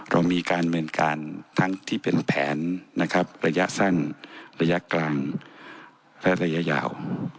เรามีการเมืองการทั้งที่เป็นแผนนะครับระยะสั้นระยะกลางและระยะยาว